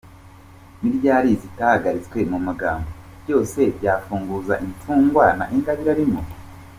Niryari zitahagaritswe mu magambo, ibyose byafunguza Imfungwa na Ingabire arimo!